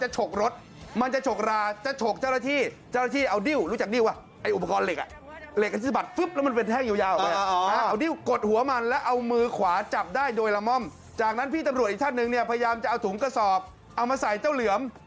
จากนั้นพี่ตำรวจอีกท่านหนึ่งเนี่ยพยายามจะเอาถุงกระสอบเอามาใส่เจ้าเหลือม